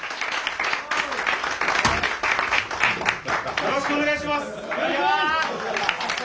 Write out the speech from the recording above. よろしくお願いします！